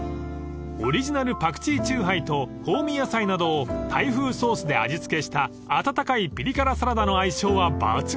［オリジナルパクチー酎ハイと香味野菜などをタイ風ソースで味付けした温かいピリ辛サラダの相性は抜群］